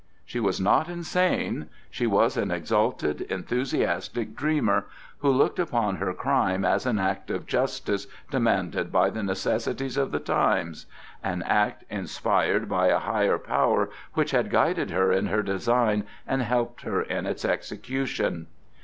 She was not insane; she was an exalted, enthusiastic dreamer, who looked upon her crime as an act of justice demanded by the necessities of the times,—an act inspired by a higher Power which had guided her in her design and helped her in its execution.